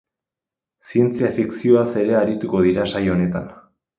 Zientzia fikzioaz ere arituko dira saio honetan.